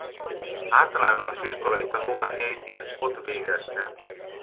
Általános iskolai tanulmányait is ott végezte.